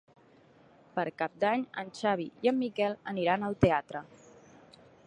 Per Cap d'Any en Xavi i en Miquel aniran al teatre.